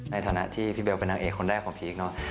ในฐานะที่พี่เบลเป็นนางเอกคนแรกของพีคเนอะ